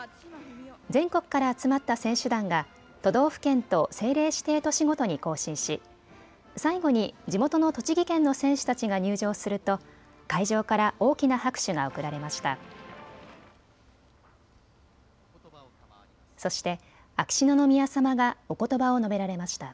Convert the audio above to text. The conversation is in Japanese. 全国から集まった選手団が都道府県と政令指定都市ごとに行進し最後に地元の栃木県の選手たちが入場すると会場から大きな拍手が送られました。